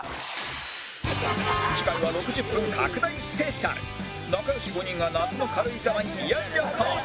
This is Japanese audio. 次回は６０分拡大スペシャル仲良し５人が夏の軽井沢に慰安旅行